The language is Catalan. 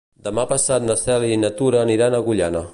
Demà passat na Cel i na Tura aniran a Agullana.